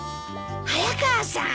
早川さん。